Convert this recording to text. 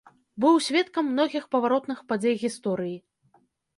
Быў сведкам многіх паваротных падзей гісторыі.